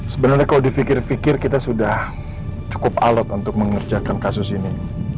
sebenarnya kalau di fikir fikir kita sudah cukup alot untuk mengerjakan kasus ini